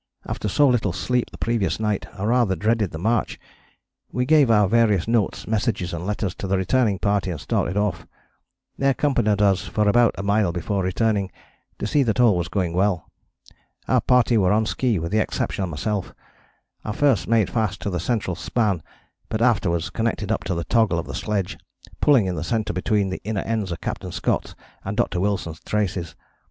After so little sleep the previous night I rather dreaded the march. We gave our various notes, messages and letters to the returning party and started off. They accompanied us for about a mile before returning, to see that all was going well. Our party were on ski with the exception of myself: I first made fast to the central span, but afterwards connected up to the toggle of the sledge, pulling in the centre between the inner ends of Captain Scott's and Dr. Wilson's traces.